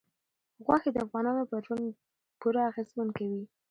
غوښې د افغانانو پر ژوند پوره اغېزمن کوي.